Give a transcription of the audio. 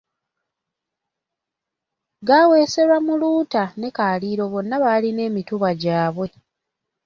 Gaweeserwa Muluuta ne Kaliro bonna balina emituba gyabwe.